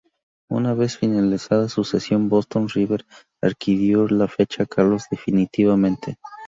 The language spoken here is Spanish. Una vez finalizada su cesión, Boston River adquirió la ficha de Carlos definitivamente.